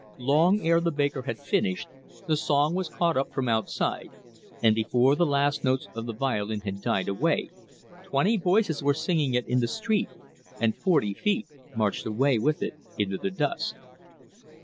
Long ere the baker had finished, the song was caught up from outside, and before the last notes of the violin had died away, twenty voices were singing it in the street, and forty feet marched away with it into the dusk.